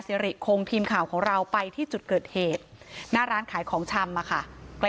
สิริคงทีมข่าวของเราไปที่จุดเกิดเหตุหน้าร้านขายของชำอะค่ะใกล้